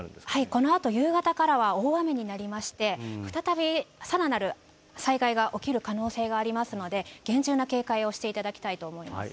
このあと夕方からは大雨になりまして、再びさらなる災害が起きる可能性がありますので、厳重な警戒をしていただきたいと思います。